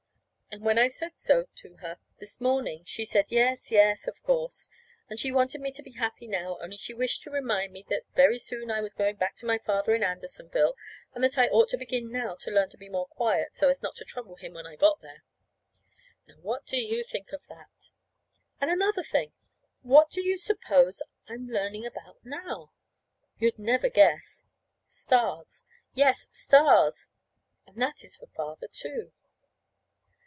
And when I said so to her this morning, she said, yes, yes, of course, and she wanted me to be happy now, only she wished to remind me that very soon I was going back to my father in Andersonville, and that I ought to begin now to learn to be more quiet, so as not to trouble him when I got there. Now, what do you think of that? And another thing. What do you suppose I am learning about now? You'd never guess. Stars. Yes, stars! And that is for Father, too.